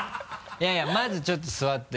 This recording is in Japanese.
いやいやまずちょっと座って。